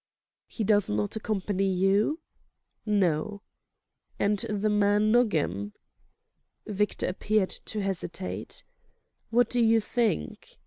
"He does not accompany you?" "No." "And the man Nogam?" Victor appeared to hesitate. "What do you think?"